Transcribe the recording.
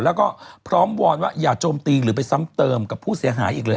แล้วก็พร้อมวอนว่าอย่าโจมตีหรือไปซ้ำเติมกับผู้เสียหายอีกเลย